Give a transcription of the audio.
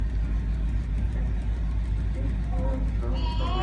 ওটা কিসের চাবি, চিয়োকো ম্যাডাম?